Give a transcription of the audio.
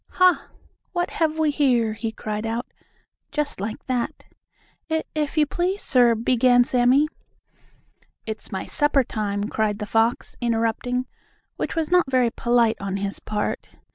"Ha! What have we here?" he cried out, just like that. "If if you please, sir," began Sammie. "It's my supper time!" cried the fox, interrupting, which was not very polite on his part.